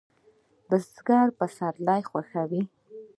بزګر پسرلی خوښوي